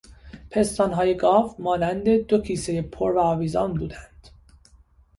پستانهای گاو، مانند دو کیسهی پر و آویزان بودند.